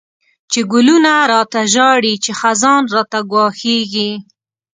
چی ګلونه ړاته ژاړی، چی خزان راته ګواښيږی